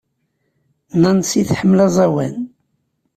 Nancy tḥemmel aẓawan.